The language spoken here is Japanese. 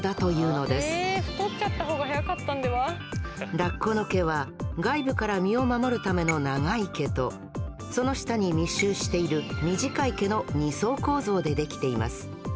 ラッコの毛は外部から身を守るための長い毛とその下に密集している短い毛の２層構造でできています。